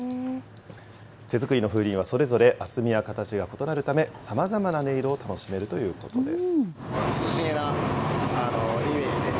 手作りの風鈴は、それぞれ厚みや形が異なるため、さまざまな音色を楽しめるということです。